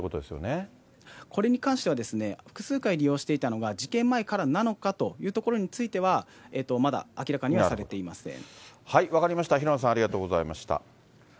これに関しては、複数回利用していたのが、事件前からなのかというところについては、分かりました、平野さん、ありがとうございました。